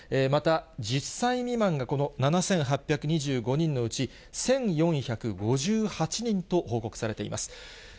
また、１０歳未満がこの７８２５人のうち、１４５８人と報告されています。